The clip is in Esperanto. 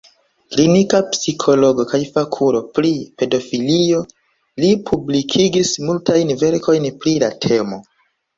Klinika psikologo kaj fakulo pri pedofilio, li publikigis multajn verkojn pri la temo.